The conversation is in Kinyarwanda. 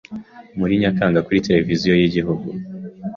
muri Nyakanga kuri televiziyo y’igihugu,